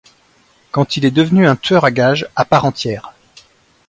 Quand il est devenu un tueur à gages à part entière.